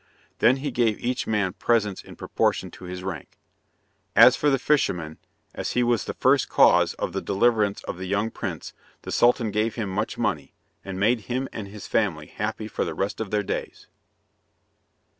Then he gave each man presents in proportion to his rank. As for the fisherman, as he was the first cause of the deliverance of the young prince, the Sultan gave him much money, and made him and his family happy for the rest of their days.